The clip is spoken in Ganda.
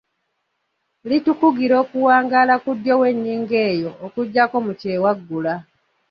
Litukugira okuwangaala ku ddyo w’ennyingo eyo okuggyako mu kyewaggula.